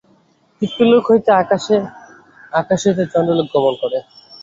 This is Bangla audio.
পিতৃলোক হইতে আকাশে, আকাশ হইতে চন্দ্রলোকে গমন করে।